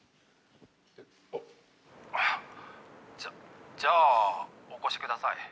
☎あっじゃお越しください